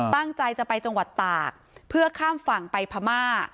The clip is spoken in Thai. ตั้งใจจะไปจังหวัดตากเพื่อข้ามฝั่งไปพม่า